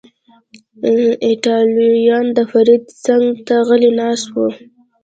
ایټالویان، د فرید څنګ ته غلی ناست و.